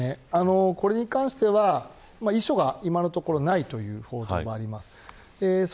これに関しては遺書が今のところはないという報道があります。